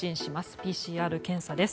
ＰＣＲ検査です。